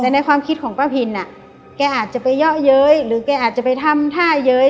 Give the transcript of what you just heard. แต่ในความคิดของป้าพินอ่ะแกอาจจะไปเยาะเย้ยหรือแกอาจจะไปทำท่าเย้ย